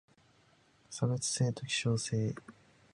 差別性と希少性